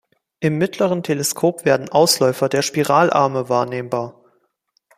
Im mittleren Teleskop werden Ausläufer der Spiralarme wahrnehmbar.